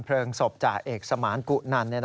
เพลิงศพจ่าเอกสมานกุนัน